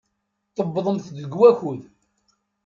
Tewwḍemt-d deg wakud.